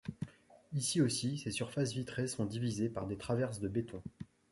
Ici aussi, ces surfaces vitrées sont divisés par des traverses de béton.